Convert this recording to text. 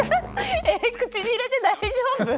えっ口に入れて大丈夫？